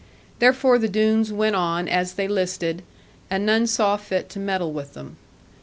Therefore the Doones went on as they listed, and none saw fit to meddle with them.